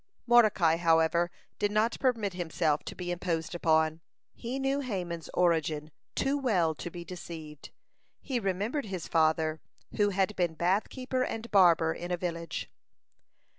Mordecai, however, did not permit himself to be imposed upon. He knew Haman's origin too well to be deceived; he remembered his father, who had been bathkeeper and barber in a village.